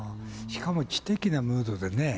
しかも知的なムードでね。